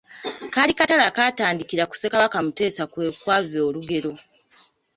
Kaali katale akaatandikira ku Ssekabaka Muteesa kwe kwava olugero.